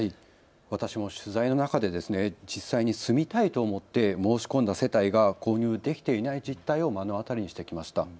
私も取材の中で実際に住みたいと思って申し込んだ世帯が購入できていない実態を目の当たりにしてきました。